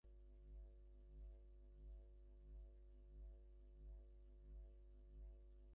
কিন্তু আশা দেখিতে পাইত রাজলক্ষ্মীর রোগ কিছুই কমিতেছে না, বরঞ্চ যেন বাড়িতেছে।